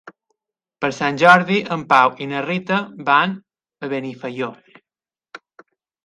Per Sant Jordi en Pau i na Rita van a Benifaió.